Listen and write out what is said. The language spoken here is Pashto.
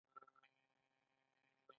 ایران د ټرانسپورټ مرکز دی.